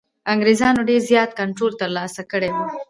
انګرېزانو ډېر زیات کنټرول ترلاسه کړی وو.